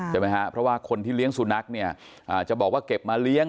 ใช่ไหมฮะเพราะว่าคนที่เลี้ยงสุนัขเนี่ยจะบอกว่าเก็บมาเลี้ยง